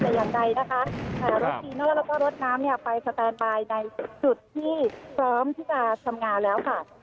แต่อย่างใดนะคะรถจีโน่แล้วก็รถน้ำเนี่ยไปสแตนบายในจุดที่พร้อมที่จะทำงานแล้วค่ะ